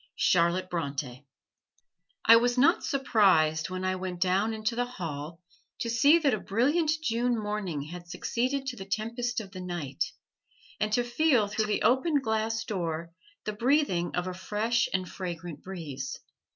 CHARLOTTE BRONTE I was not surprised, when I went down into the hall, to see that a brilliant June morning had succeeded to the tempest of the night, and to feel through the open glass door the breathing of a fresh and fragrant breeze.